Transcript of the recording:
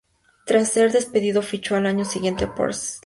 Tras ser despedido, fichó al año siguiente por los St.